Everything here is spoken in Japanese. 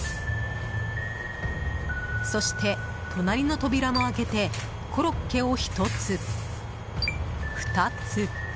そして、隣の扉も開けてコロッケを１つ、２つ。